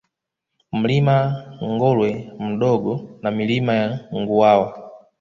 Mlima Ngolwe Mdogo na Milima ya Nguawa